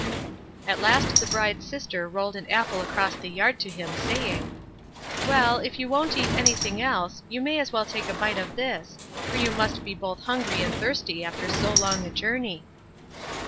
At last the bride's sister rolled an apple across the yard to him, saying: "Well, if you won't eat anything else, you may as well take a bite of this, for you must be both hungry and thirsty after so long a journey."